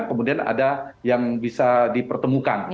kemudian ada yang bisa dipertemukan